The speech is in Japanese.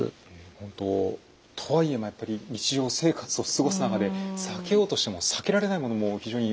本当とはいえでもやっぱり日常生活を過ごす中で避けようとしても避けられないものも非常に多いでしょうからね。